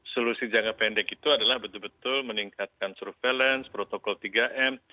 solusi jangka pendek itu adalah betul betul meningkatkan surveillance protokol tiga m